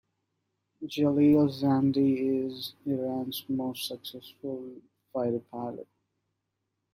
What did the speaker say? Jalil Zandi is Iran's most successful fighter pilot.